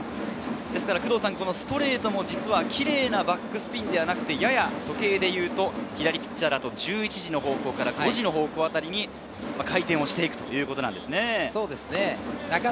ストレートも実はキレイなバックスピンではなくて、左ピッチャーだと１１時の方向から５時の方向あたりに回転していくということなんですね。